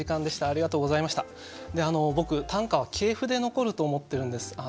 であの僕短歌は系譜で残ると思ってるんです。